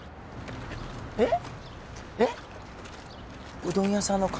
えっ！？